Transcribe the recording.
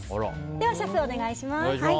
ではシェフ、お願いします。